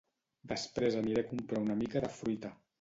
Després aniré a comprar una mica de fruita